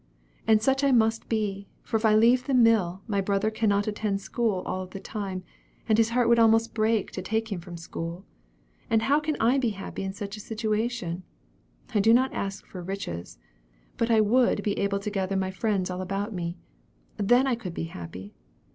And such I must be for if I leave the mill, my brother cannot attend school all of the time; and his heart would almost break to take him from school. And how can I be happy in such a situation; I do not ask for riches; but I would be able to gather my friends all around me. Then I could be happy.